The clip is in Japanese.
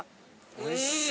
・おいしい！